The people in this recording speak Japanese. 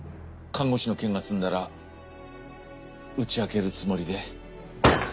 看護師の件が済んだら打ち明けるつもりで。